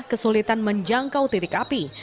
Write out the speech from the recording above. kesulitan menjangkau titik api